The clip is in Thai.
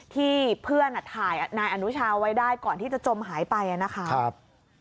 ที่เพื่อนถ่ายนายอนุชาไว้ได้ก่อนที่จะจมหายไปนะครับ